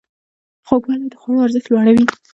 خوږوالی د خوړو ارزښت لوړوي.